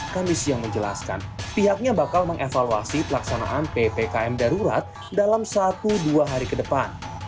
kami siang menjelaskan pihaknya bakal mengevaluasi pelaksanaan ppkm darurat dalam satu dua hari ke depan